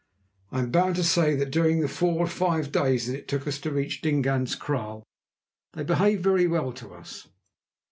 I am bound to say that during the four or five days that it took us to reach Dingaan's kraal they behaved very well to us.